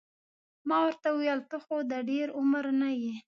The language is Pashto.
ما ورته وویل ته خو د ډېر عمر نه یې.